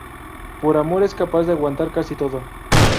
Por amor es capaz de aguantar casi todo.